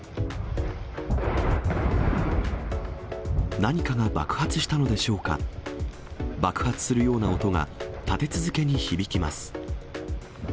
何かが爆発したのでしょうか、爆発するような音が立て続けに響きます。